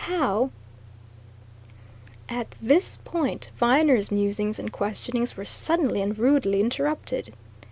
How " At this point Viner's musings and questionings were suddenly and rudely interrupted.